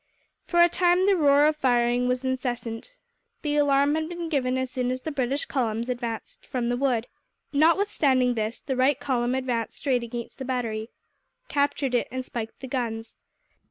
For a time the roar of firing was incessant. The alarm had been given as soon as the British columns advanced from the wood. Notwithstanding this, the right column advanced straight against the battery, captured it, and spiked the guns.